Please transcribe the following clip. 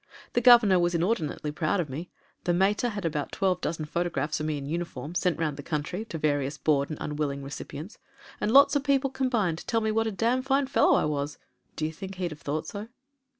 The governor was inordinately proud of me; the mater had about twelve dozen photographs of me in tmiform sent round the country to various bored and un willing recipients; and lots of people combined to tell me what a damn fine fellow I was. Do you think he'd have thought so?"